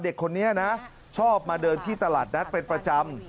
เด็กคนนี้นะชอบมาเดินที่ตลาดนัดเป็นประจำ